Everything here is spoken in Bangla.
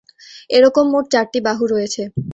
এরকম মোট চারটি বাহু রয়েছে।